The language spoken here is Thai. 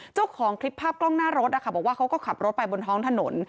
เจ้าของคลิปภาพกล้องหน้ารถนะคะบอกว่าเขาก็ขับรถไปบนท้องถนน